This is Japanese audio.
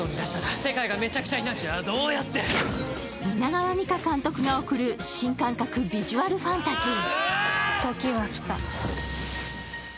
蜷川実花監督が送る、新感覚ビジュアルファンタジー。